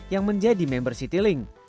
yang menjadi member citylink